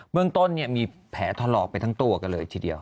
เมืองต้นมีแผลถลอกไปทั้งตัวกันเลยทีเดียว